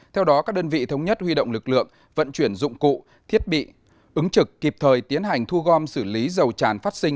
theo đó các đơn vị thống nhất huy động lực lượng vận chuyển dụng cụ thiết bị ứng trực kịp thời tiến hành thu gom xử lý dầu tràn phát sinh